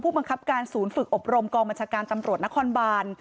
บังคับการศูนย์ฝึกอบรมกองบัญชาการตำรวจนครบาน